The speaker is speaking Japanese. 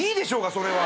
それは。